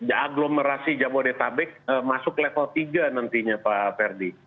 aglomerasi jabodetabek masuk level tiga nantinya pak ferdi